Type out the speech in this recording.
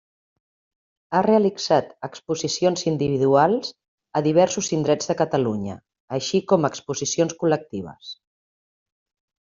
Ha realitzat exposicions individuals a diversos indrets de Catalunya, així com exposicions col·lectives.